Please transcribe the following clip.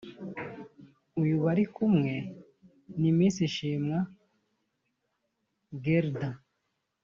uyu bari kumwe ni Miss Shimwa Guelda